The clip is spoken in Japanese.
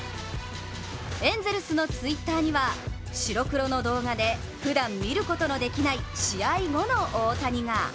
エンゼルスのＴｗｉｔｔｅｒには、白黒の動画でふだん見ることのできない試合後の大谷が。